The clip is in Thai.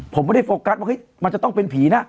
ผมไม่ได้โฟกัสว่ามันจะต้องเป็นผีนะ